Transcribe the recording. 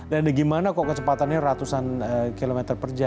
dan bagaimana kok kecepatannya ratusan kilometer per jam